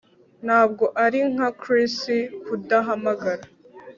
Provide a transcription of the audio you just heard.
Ntabwo ari nka Chris kudahamagara